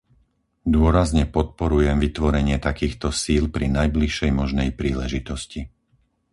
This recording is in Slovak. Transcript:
Dôrazne podporujem vytvorenie takýchto síl pri najbližšej možnej príležitosti.